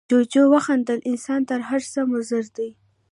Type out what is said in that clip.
جوجو وخندل، انسان تر هر څه مضر دی.